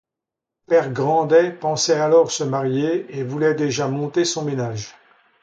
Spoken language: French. Le père Grandet pensait alors se marier, et voulait déjà monter son ménage.